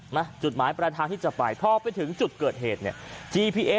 นะจุดหมายประทางที่จะไปพอไปถึงจุดเกิดเหตุเนี้ย